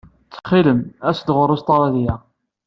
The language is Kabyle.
Ttxil-m, as-d ɣer Ustṛalya.